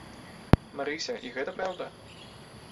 Марыся, і гэта праўда?